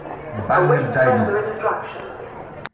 Bang Dae-du